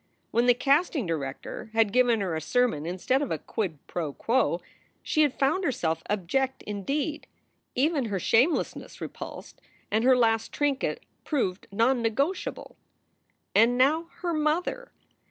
When the casting director had given her a sermon instead of a quid pro quo, she had found herself abject indeed; even her shamelessness repulsed and her last trinket proved nonnegotiable. And now her mother!